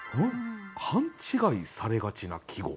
「勘違いされがちな季語」？